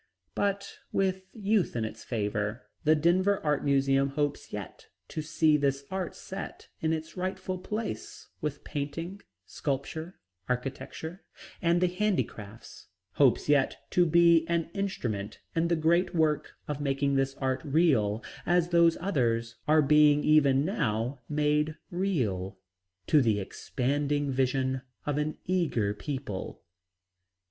But with youth in its favor, the Denver Art Museum hopes yet to see this art set in its rightful place with painting, sculpture, architecture, and the handicrafts hopes yet to be an instrument in the great work of making this art real as those others are being even now made real, to the expanding vision of an eager people.